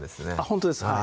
ほんとです